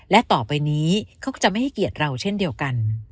และต่อไปนี้เขาก็จะไม่ให้เกียรติเราเช่นเดียวกัน